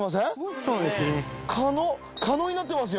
そうですね「カノ」カノになってますよ